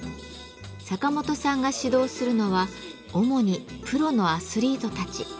サカモトさんが指導するのは主にプロのアスリートたち。